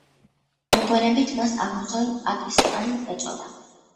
მოგვიანებით, მას აღმოსავლეთ პაკისტანი ეწოდა.